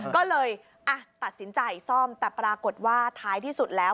ก็เลยตัดสินใจซ่อมแต่ปรากฏว่าท้ายที่สุดแล้ว